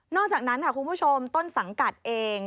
อกจากนั้นค่ะคุณผู้ชมต้นสังกัดเอง